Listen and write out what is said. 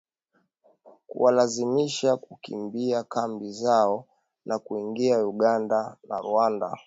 kuwalazimu kukimbia kambi zao na kuingia Uganda na Rwanda.